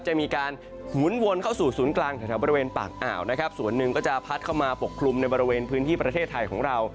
จะมีการหมุนวนเข้าสู่ศูนย์กลางแถวบริเวณปากอ่าวนะครับส่วนหนึ่งก็จะพัดเข้ามาปกคลุมในบริเวณพื้นที่ประเทศไทยของเรา